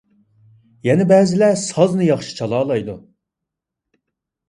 يەنە بەزىلەر سازنى ياخشى چالالايدۇ.